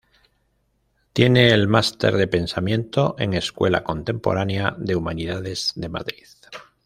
Tiene el máster de Pensamiento en Escuela Contemporánea de Humanidades de Madrid.